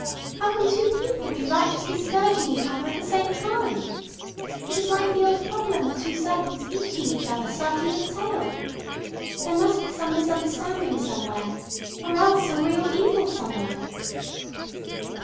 How can two people be righteously scourging each other at the same time? It is like the old problem of two serpents eating each other, starting at the tail. There must be some misunderstanding somewhere. Or else some real Evil somewhere."